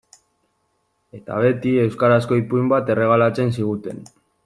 Eta, beti, euskarazko ipuin bat erregalatzen ziguten.